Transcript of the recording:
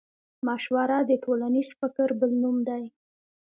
مشوره د ټولنيز فکر بل نوم دی.